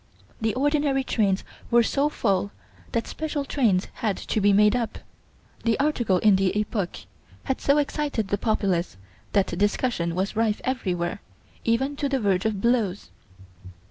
The ordinary trains were so full that special trains had to be made up. The article in the "Epoque" had so excited the populace that discussion was rife everywhere even to the verge of blows.